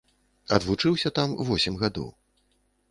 Адвучыўся там восем гадоў.